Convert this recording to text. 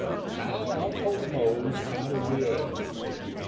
_HOW UNCLE MOSE COUNTED THE EGGS.